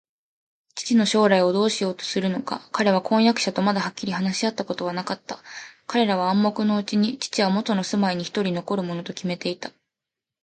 父の将来をどうしようとするのか、彼は婚約者とまだはっきり話し合ったことはなかった。彼らは暗黙のうちに、父はもとの住居すまいにひとり残るものときめていた